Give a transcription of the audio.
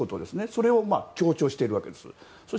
それを強調しているわけです。